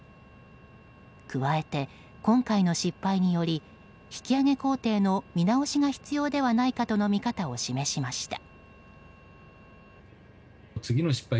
加えて、今回の失敗により引き揚げ工程の見直しが必要ではないかとの見方を示しました。